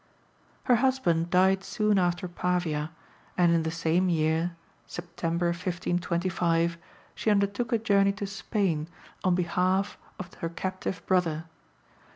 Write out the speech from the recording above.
Her husband died soon after Pavia, and in the same year (September 1525) she undertook a journey to Spain on behalf of her captive brother.